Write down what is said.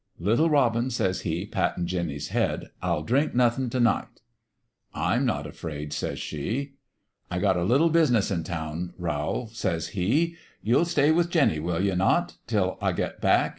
"* Little robin, 1 says he, pattin' Jinny's head, * I'll drink nothin' t' night.' "' I'm not afraid,' says she. "' I got a little business in town, Rowl,' says he. ' You'll stay with Jinny, will you not ? 'til I get back.